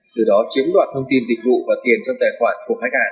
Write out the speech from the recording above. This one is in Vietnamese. từ đó chiếm đoạt thông tin dịch vụ và tiền trong tài khoản của khách hàng